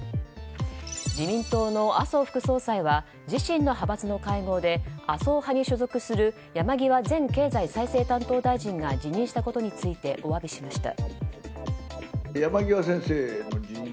自民党の麻生副総裁は自身の派閥の会合で麻生派に所属する山際前経済再生担当大臣が辞任したことについてお詫びしました。